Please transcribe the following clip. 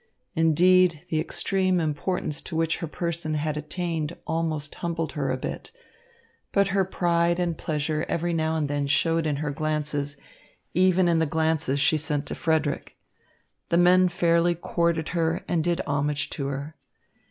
Indeed, the extreme importance to which her person had attained almost humbled her a bit; but her pride and pleasure every now and then showed in her glances, even in the glances she sent Frederick. The men fairly courted her and did homage to her.